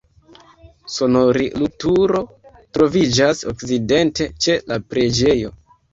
Sonorilturo troviĝas okcidente ĉe la preĝejo.